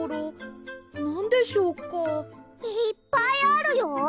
いっぱいあるよ。